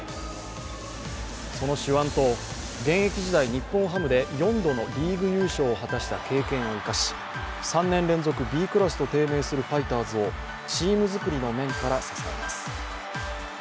その手腕と現役時代、日本ハムで４度のリーグ優勝を果たした経験を生かし、３年連続Ｂクラスと低迷するファイターズをチーム作りの面から支えます。